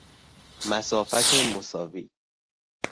مسافت مساوی